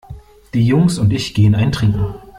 Die Jungs und ich gehen einen trinken.